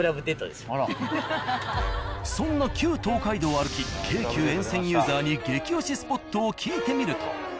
そんな旧東海道を歩き京急沿線ユーザーに激推しスポットを聞いてみると。